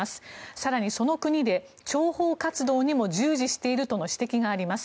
更にその国で諜報活動にも従事しているとの指摘があります。